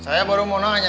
saya baru mau tanya